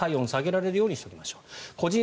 体温を下げられるようにしておきましょう。